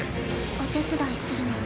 お手伝いするの。